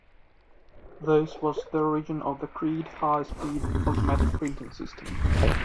This was the origin of the Creed High Speed Automatic Printing System.